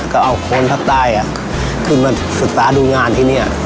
ก็เอาคนภาคใต้ขึ้นมาศึกษาดูงานที่นี่